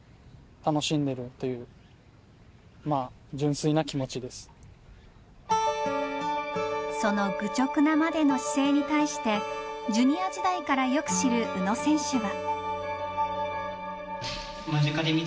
氷になる前からその愚直なまでの姿勢に対してジュニア時代からよく知る宇野選手は。